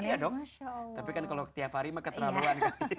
iya dong tapi kan kalau tiap hari mah keterlaluan